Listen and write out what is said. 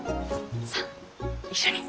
さあ一緒に。